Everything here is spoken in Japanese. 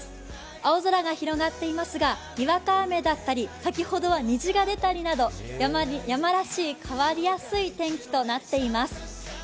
青空が広がっていますが、にわか雨だったり、先ほどは虹が出たりなど、山らしい変わりやすい天気となっています。